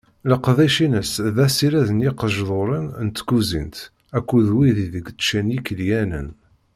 Leqdic-ines d asired n yiqejduren n tkuzint akked wid ideg ččan yikelyanen.